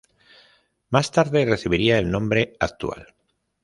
Más tarde recibiría el nombre actual.